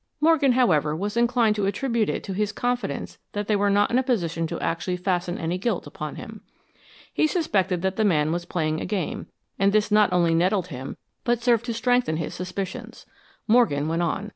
Morgan, however, was inclined to attribute it to his confidence that they were not in a position to actually fasten any guilt upon him. He suspected that the man was playing a game, and this not only nettled him, but served to strengthen his suspicions. Morgan went on.